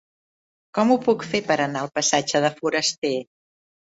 Com ho puc fer per anar al passatge de Forasté?